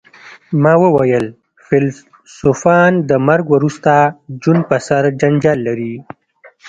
ما وویل فیلسوفان د مرګ وروسته ژوند په سر جنجال لري